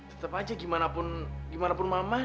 tetap aja gimana pun gimana pun mama